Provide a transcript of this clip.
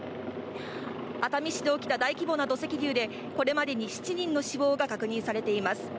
熱海市で起きた大規模な土石流でこれまでに７人の死亡が確認されています。